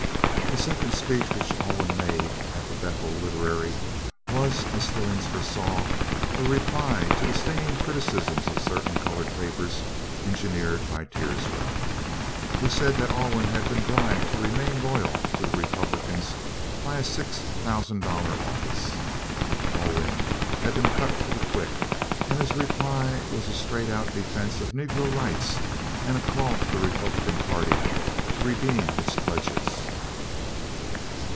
The second speech which Alwyn made at the Bethel Literary was, as Stillings foresaw, a reply to the stinging criticisms of certain colored papers engineered by Teerswell, who said that Alwyn had been bribed to remain loyal to the Republicans by a six thousand dollar office. Alwyn had been cut to the quick, and his reply was a straight out defence of Negro rights and a call to the Republican Party to redeem its pledges.